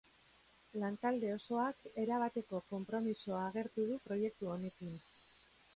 Lantalde osoak erabateko konpromisoa agertu du proiektu honekin.